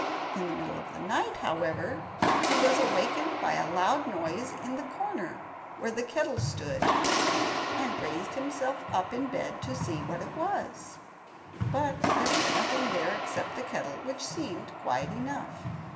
In the middle of the night, however, he was awakened by a loud noise in the corner where the kettle stood, and raised himself up in bed to see what it was. But nothing was there except the kettle, which seemed quiet enough.